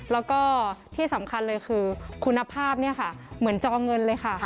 และที่สำคัญเลยคือคุณภาพเหมือนจอเงินเลยค่ะ